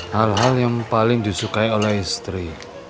hal hal yang paling disukai oleh istri